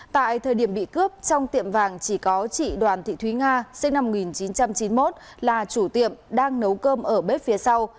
tại thời điểm bị cướp trong tiệm vàng chỉ có chị đoàn thị thúy nga sinh năm một nghìn chín trăm chín mươi một là chủ tiệm đang nấu cơm ở bếp phía sau